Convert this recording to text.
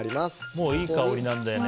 もういい香りなんだよね